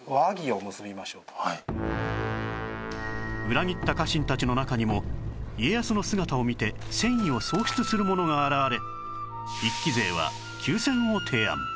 裏切った家臣たちの中にも家康の姿を見て戦意を喪失する者が現れ